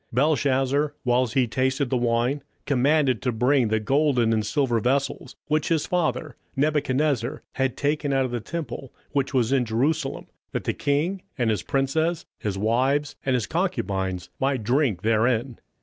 27:005:002 Belshazzar, whiles he tasted the wine, commanded to bring the golden and silver vessels which his father Nebuchadnezzar had taken out of the temple which was in Jerusalem; that the king, and his princes, his wives, and his concubines, might drink therein.